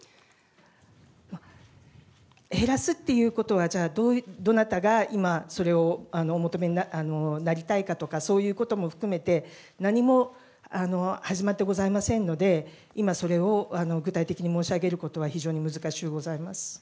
減らすっていうことは、じゃあ、どなたが今、それをお求めになりたいかとか、そういうことも含めて、何も始まってございませんので、今、それを具体的に申し上げることは非常に難しゅうございます。